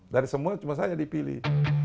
dari semua cuma saya dipilih